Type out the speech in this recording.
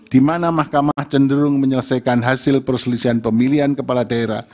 di mana mahkamah cenderung menyelesaikan hasil perselisian pemilihan umum